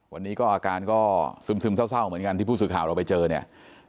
วันนี้ก็อาการก็ซึมเศร้าเหมือนกันที่ผู้สื่อข่าวเราไปเจอเนี่ย